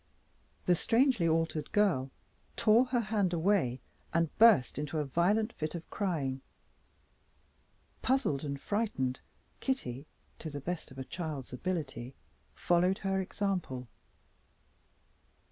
The strangely altered girl tore her hand away and burst into a violent fit of crying. Puzzled and frightened, Kitty (to the best of a child's ability) followed her example.